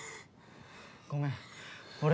ごめん俺。